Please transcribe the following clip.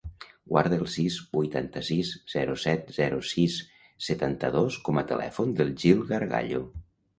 Guarda el sis, vuitanta-sis, zero, set, zero, sis, setanta-dos com a telèfon del Gil Gargallo.